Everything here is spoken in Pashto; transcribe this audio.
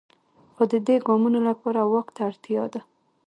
خو د دې ګامونو لپاره واک ته اړتیا ده.